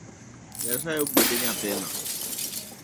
Nyasaye ogwedhi nyathina